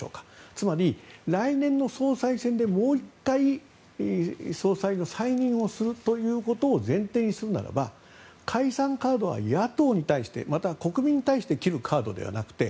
つまり、来年の総裁選ももう１回総裁の再任をすることを前提にするならば解散カードは野党に対してまた国民に対して切るカードじゃなくて